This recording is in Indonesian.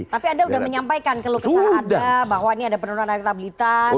tapi anda sudah menyampaikan kalau kesalahan anda bahwa ini ada penurunan aktabilitas